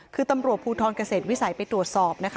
คือตำรวจภูทรเกษตรวิสัยไปตรวจสอบนะคะ